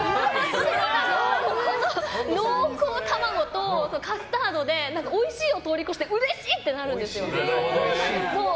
濃厚卵とカスタードでおいしいを通り越してうれしい！ってなるんですよ。